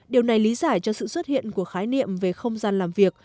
điều này lý giải cho sự xuất hiện của khái niệm về không gian làm việc